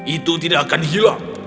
itu tidak akan hilang